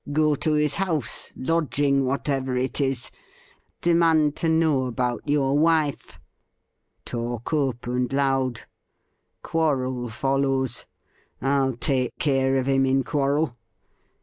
Go to his house, lodging, whatever it is, demand to know about your wife, talk up and loud. Quarrel follows — I'll take care of him in quarrel.